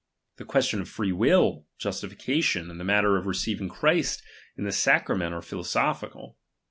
The questions of free will, justification, and the manner of receiving Christ in the sacrament, are philosophical.